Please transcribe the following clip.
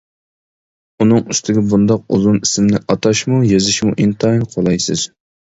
ئۇنىڭ ئۈستىگە بۇنداق ئۇزۇن ئىسىمنى ئاتاشمۇ، يېزىشمۇ ئىنتايىن قولايسىز.